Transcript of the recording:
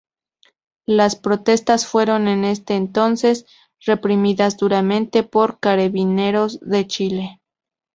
Las protestas fueron en ese entonces reprimidas duramente por Carabineros de Chile.